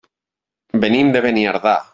Venim de Beniardà.